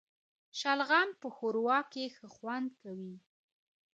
شلغم په ښوروا کي ښه خوند کوي